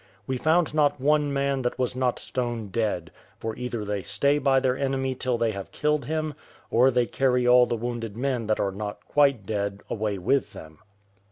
We found not one man that was not stone dead; for either they stay by their enemy till they have killed him, or they carry all the wounded men that are not quite dead away with them.